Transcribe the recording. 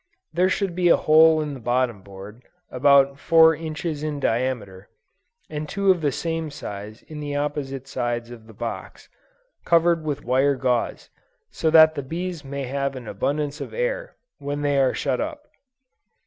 There should be a hole in the bottom board, about four inches in diameter, and two of the same size in the opposite sides of the box, covered with wire gauze, so that the bees may have an abundance of air, when they are shut up.